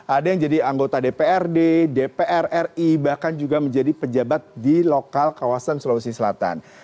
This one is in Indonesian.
ada yang jadi anggota dprd dpr ri bahkan juga menjadi pejabat di lokal kawasan sulawesi selatan